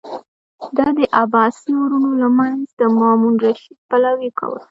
ده د عباسي ورونو له منځه د مامون الرشید پلوي کوله.